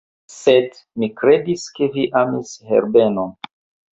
Sed mi kredis, ke vi amis Herbenon.